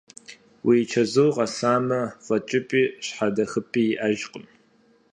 Уи чэзур къэсамэ, фӀэкӀыпӀи щхьэдэхыпӀи иӀэжкъым…